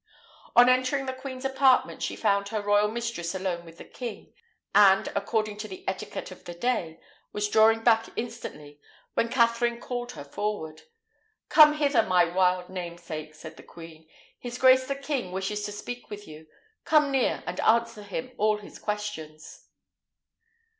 On entering the queen's apartment, she found her royal mistress alone with the king, and, according to the etiquette of that day, was drawing back instantly, when Katherine called her forward. "Come hither, my wild namesake," said the queen; "his grace the king wishes to speak with you. Come near, and answer him all his questions."